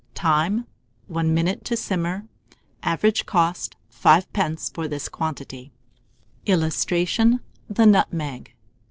Time. 1 minute to simmer. Average cost, 5d. for this quantity. [Illustration: THE NUTMEG.